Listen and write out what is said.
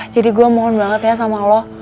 jadi gue mohon banget ya sama lo